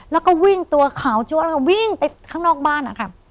แล้วก็วิ่งตัวขาวจ้วนวิ่งไปข้างนอกบ้านนะคะ